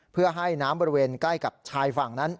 เพื่อให้น้ำบริเวณใกล้กับชายฝั่งนั้น